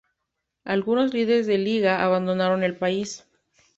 Algunos líderes de la Liga abandonaron el país.